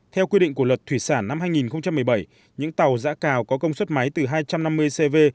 theo quy định của luật thủy sản năm hai nghìn một mươi bảy những tàu giã cào có công suất máy từ hai trăm năm mươi cv